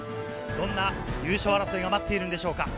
どんな優勝争いが待っているんでしょうか？